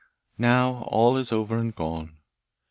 Now all is over and gone.